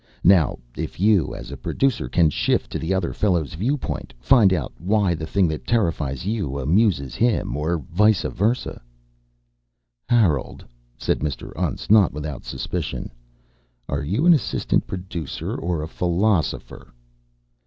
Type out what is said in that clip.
Now, if you, as a producer, can shift to the other fellow's viewpoint find out why the thing that terrifies you amuses him or vice versa." "Harold," said Mr. Untz, not without suspicion, "are you an assistant producer or a philosopher?"